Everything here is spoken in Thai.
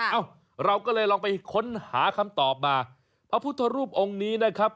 เอ้าเราก็เลยลองไปค้นหาคำตอบมาพระพุทธรูปองค์นี้นะครับ